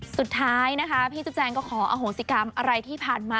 สุดท้ายนะคะพี่จุ๊แจงก็ขออโหสิกรรมอะไรที่ผ่านมา